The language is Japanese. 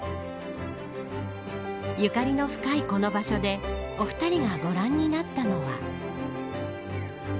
ゆかりの深いこの場所でお二人がご覧になったのは。